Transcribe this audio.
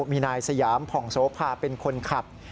มีนายสยามผ่องโสภาเป็นคนขับ